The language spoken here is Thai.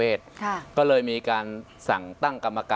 อันดับที่สุดท้าย